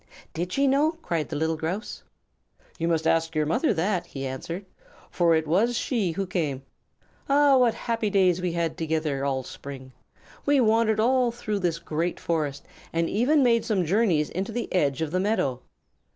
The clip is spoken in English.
"Did she know?" cried the little Grouse. "You must ask your mother that," he answered, "for it was she who came. Ah, what happy days we had together all spring! We wandered all through this great Forest and even made some journeys into the edge of the Meadow.